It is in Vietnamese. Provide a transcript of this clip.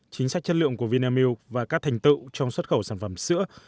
chính sách chất lượng của vinamilk và các thành tựu trong xuất khẩu sản phẩm sữa